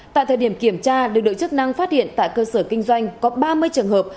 tại thời điểm kiểm tra lực lượng chức năng phát hiện tại cơ sở kinh doanh có ba mươi trường hợp